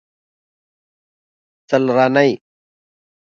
څلرنۍ